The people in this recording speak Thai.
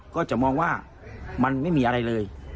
ก็จะมองว่ามันไม่มีอะไรเลย